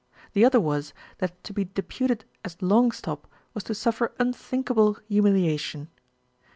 The other was that to be deputed as long stop was to suffer unthinkable humilia tion.